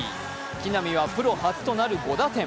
木浪はプロ初となる５打点。